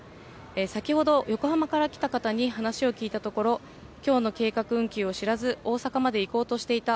先ほど、横浜から来た方に話を聞いたところ、きょうの計画運休を知らず、大阪まで行こうとしていた。